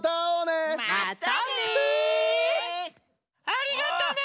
ありがとね！